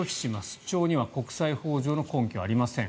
主張には国際法上の根拠はありません。